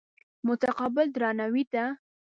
متقابل درناوي ته.